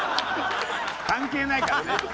関係ないから！